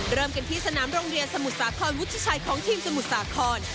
เริ่มกันที่สนามโรงเรียนสมุทรสาครวุฒิชัยของทีมสมุทรสาคร